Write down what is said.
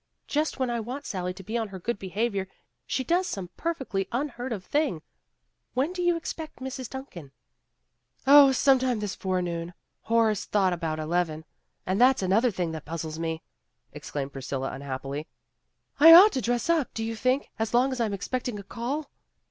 Just when I want Sally to be on her good behavior, she does some perfectly un heard of thing. When do you expect Mrs. Duncan?" 148 PEGGY RAYMOND'S WAY "Oh, sometime this forenoon. Horace thought about eleven. And that's another 1 thing that puzzles me, '' exclaimed Priscilla un happily. "Ought I to dress up, do you think, as long as I'm expecting a call?"